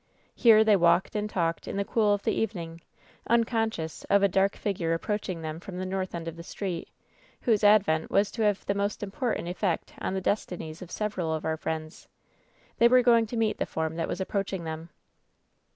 Here they walked and talked in the cool of the eve ning, unconscious of a dark figure approaching them from the north end of the street, whose advent was to have the most important eflFect on the destinies of several of our friends. They were going to meet the form that was approaching them.